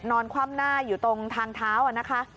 คว่ำหน้าอยู่ตรงทางเท้านะคะ